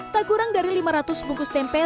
tak kurang dari lima ratus bungkus tempe